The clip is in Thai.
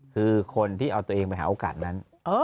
คือคนที่เอาตัวเองไปหาโอกาสนั้น